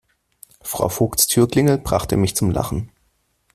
Frau Vogts Türklingel brachte mich zum Lachen.